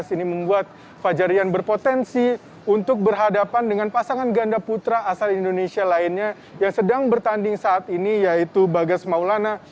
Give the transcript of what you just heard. ini membuat fajarian berpotensi untuk berhadapan dengan pasangan ganda putra asal indonesia lainnya yang sedang bertanding saat ini yaitu bagas maulana